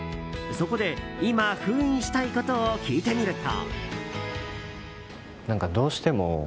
そこで今、封印したいことを聞いてみると。